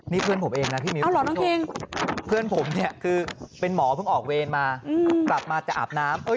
นี่เพื่อนผมเองนะพี่มิวพี่โต๊ะเป็นหมอพึ่งออกเวรมาหลับมาจะอาบน้ำ